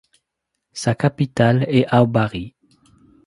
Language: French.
Sa capitale est Awbari.